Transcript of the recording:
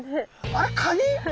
あれカニ？